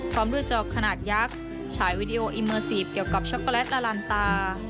พร้อมด้วยจอขนาดยักษ์ฉายวิดีโออิเมอร์ซีฟเกี่ยวกับช็อกโกแลตอลันตา